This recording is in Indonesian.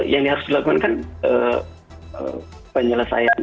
yang harus dilakukan kan penyelesaian